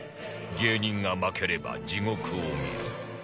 芸人が負ければ地獄を見る